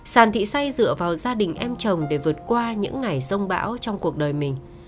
sàn thị say dựa vào gia đình em chồng để vượt qua những ngày rông bão trong cuộc đời mình